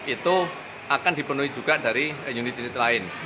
itu akan dipenuhi juga dari unit unit lain